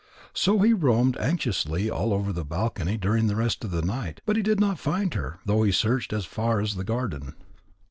So he roamed anxiously all over the balcony during the rest of the night. But he did not find her, though he searched as far as the garden.